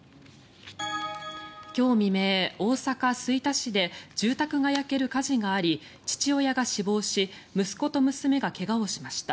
今日未明、大阪府吹田市で住宅が焼ける火事があり父親が死亡し息子と娘が怪我をしました。